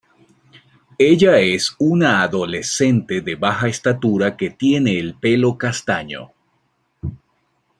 Ella es una adolescente de baja estatura que tiene el pelo castaño.